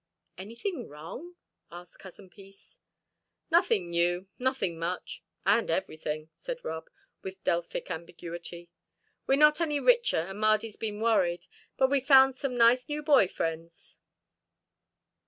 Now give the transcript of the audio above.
"Anything wrong?" asked "Cousin Peace." "Nothing new, nothing much, and everything," said Rob, with Delphic ambiguity. "We're not any richer, and Mardy's been worried, but we've found some nice new boy friends.